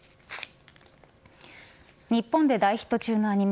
日本で大ヒット中のアニメ